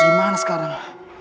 gue harus gimana sekarang